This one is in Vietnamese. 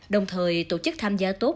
đồng thời tổ chức tham gia tốt